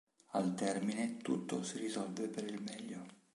Al termine tutto si risolve per il meglio.